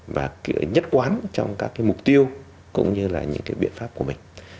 và nhất quán trong các mục tiêu cũng như những biện pháp của mình